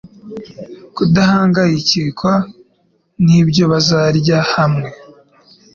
kudahangayikwa n’ibyo bazarya hamwe